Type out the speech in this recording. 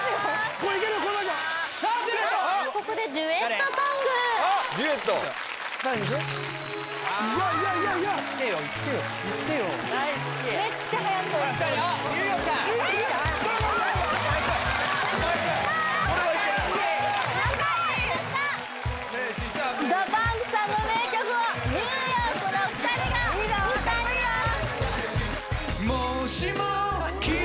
これはいけるＤＡＰＵＭＰさんの名曲をニューヨークの２人が歌います